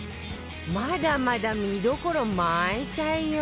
まだまだ見どころ満載よ